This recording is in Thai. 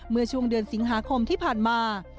เมื่อช่วงเดือนสิงหาคมที่ผ่านมา